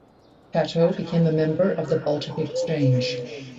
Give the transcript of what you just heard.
Catto became a member of the Baltic Exchange.